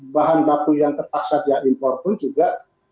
bahan baku yang terpaksa dia impor pun juga